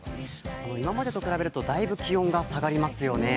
今までと比べるとだいぶ気温が下がりますよね